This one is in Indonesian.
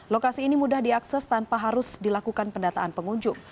lokasi ini mudah diakses tanpa harus dilakukan pendataan pengunjung